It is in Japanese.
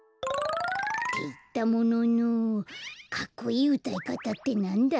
っていったもののかっこいいうたいかたってなんだ？